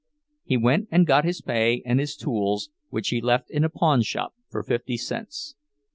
He went and got his pay and his tools, which he left in a pawnshop for fifty cents.